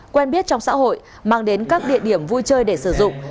quen biết trong xã hội mang đến các địa điểm vui chơi để sử dụng